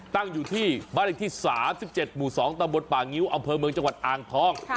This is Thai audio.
ตั้งอยู่ที่บ้านเลขที่๓๗หมู่๒ตำบลป่างิ้วอำเภอเมืองจังหวัดอ่างทอง